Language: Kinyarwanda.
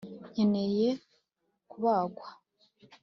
nkeneye kubagwa